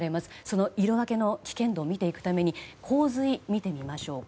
その色分けの危険度を見ていくために洪水を見てみましょう。